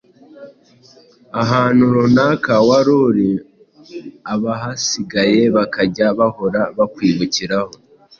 ahantu runaka wari uri abahasigaye bakajya bahora bakwibukiraho.